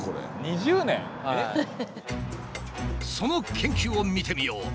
その研究を見てみよう。